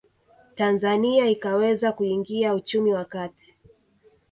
Tanzania ikaweza kuingia uchumi wa kati